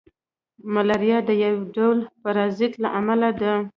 ملاریا د یو ډول پرازیت له امله ده